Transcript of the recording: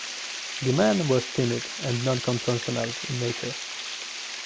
The man was timid and non-confrontational in nature.